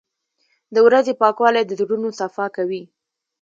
• د ورځې پاکوالی د زړونو صفا کوي.